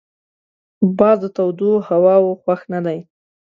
باز د تودو هواوو خوښ نه دی